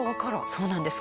そうなんです。